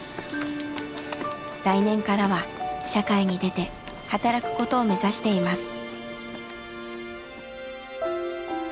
来年からは社会に出て働くことを目指しています。